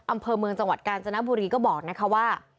อำเภอเมืองจังหวัดกาญจนบุรีก็บอกนะคะว่า